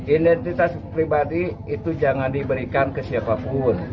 identitas pribadi itu jangan diberikan ke siapapun